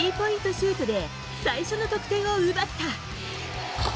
シュートで最初の得点を奪った。